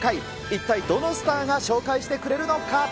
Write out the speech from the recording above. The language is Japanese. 一体どのスターが紹介してくれるのか。